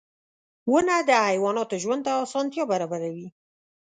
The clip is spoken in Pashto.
• ونه د حیواناتو ژوند ته اسانتیا برابروي.